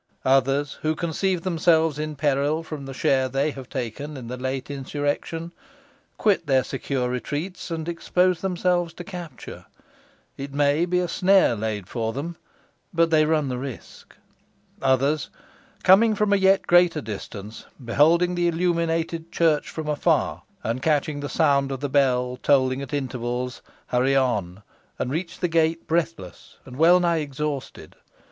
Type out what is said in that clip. Others, who conceive themselves in peril from the share they have taken in the late insurrection, quit their secure retreats, and expose themselves to capture. It may be a snare laid for them, but they run the risk. Others, coming from a yet greater distance, beholding the illuminated church from afar, and catching the sound of the bell tolling at intervals, hurry on, and reach the gate breathless and wellnigh exhausted.